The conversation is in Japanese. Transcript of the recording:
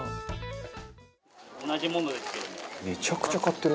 同じものですけども。